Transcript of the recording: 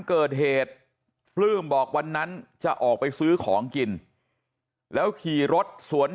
เกิดเหตุปลื้มบอกวันนั้นจะออกไปซื้อของกินแล้วขี่รถสวน